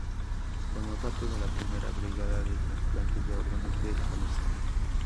Formó parte de la primera brigada de trasplantes de órganos de Jalisco.